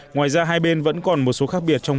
ngoài ra hai bên vẫn còn một số khác biệt trong